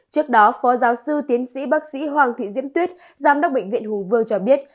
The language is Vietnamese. trước đó phó giáo sư tiến sĩ bác sĩ hoàng thị diễm tuyết giám đốc bệnh viện hùng vương cho biết